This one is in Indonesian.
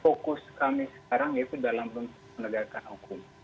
fokus kami sekarang itu dalam menegakkan hukum